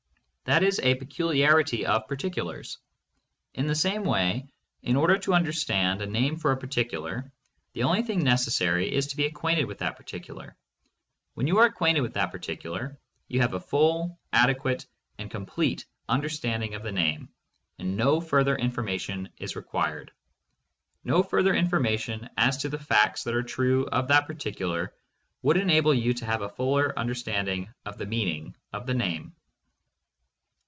That is a peculiarity of particulars. In the same way, in order to understand a name for a particular, the only thing neces sary is to be acquainted with that particular. When you are acquainted with that particular, you have a full, ade quate, and complete understanding of the name, and no further information is required. No further information 526 THE MONIST. as to the facts that are true of that particular would enable you to have a fuller understanding of the meaning of the name.